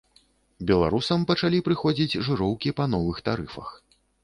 Беларусам пачалі прыходзіць жыроўкі па новых тарыфах.